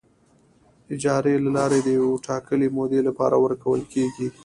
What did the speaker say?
اجارې له لارې د یوې ټاکلې مودې لپاره ورکول کیږي.